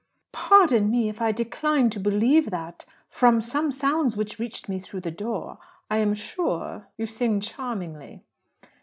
"Pardon me if I decline to believe that. From some sounds which reached me through the door, I am sure you sing charmingly."